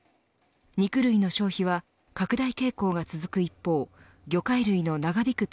肉類の消費は拡大傾向が続く一方魚介類の長引く